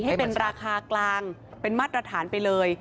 ให้เป็นราคากลางเป็นมาตรฐานไปเลย